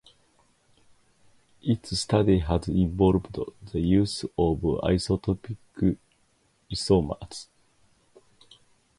Its study has involved the use of isotopic isomers.